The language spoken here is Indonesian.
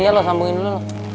ini aja lo sambungin dulu